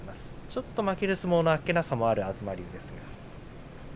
ちょっと負ける相撲のあっけなさもある東龍です。